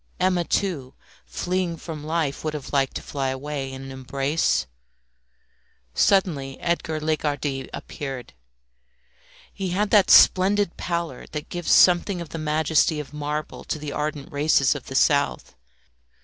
Emma, too, fleeing from life, would have liked to fly away in an embrace. Suddenly Edgar Lagardy appeared. He had that splendid pallor that gives something of the majesty of marble to the ardent races of the South.